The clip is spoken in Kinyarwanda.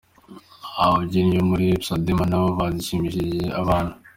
Ababyinnyi bo muri Passadena nabo bashimishije abantu.